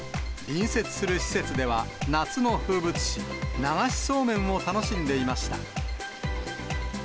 隣接する施設では、夏の風物詩、流しそうめんを楽しんでいました。